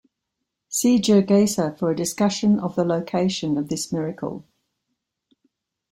See Gergesa for a discussion of the location of this miracle.